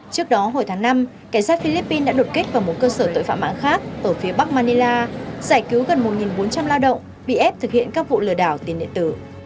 trước đó hồi tháng năm cảnh sát philippines đã đột kích vào một cơ sở tội phạm mạng khác ở phía bắc manila giải cứu gần một bốn trăm linh lao động bị ép thực hiện các vụ lừa đảo tiền điện tử